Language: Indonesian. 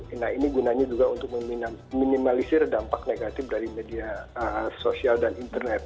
nah ini gunanya juga untuk meminimalisir dampak negatif dari media sosial dan internet